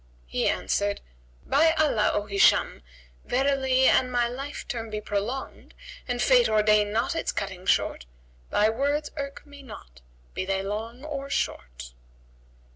He answered, "By Allah, O Hisham, verily an my life term be prolonged and Fate ordain not its cutting short, thy words irk me not, be they long or short."